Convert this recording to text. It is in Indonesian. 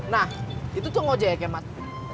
nah itu tuh ngajek ya kemat